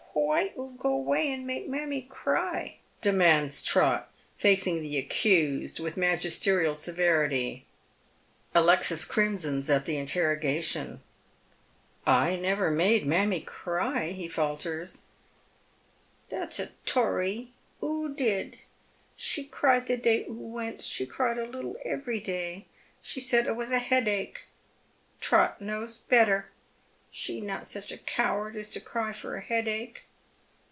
" Why 00 go 'way and make mammie cry ?" demands Trot, facing the accused with magisterial seventy. Alexis crimsons at the interrogation. " I never made mammie cry," he falters. " That's a tory. Oo did. She cried the deny oo went, — she cried a little every day, she said it was a headache, — Trot knows better, she not such a coward as to cry for a headache.